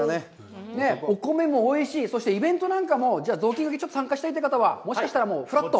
お米もおいしい、そしてイベントなんかも、じゃあ雑巾がけ参加したいという方はもしかしたら、ふらっと。